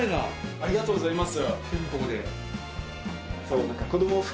ありがとうございます。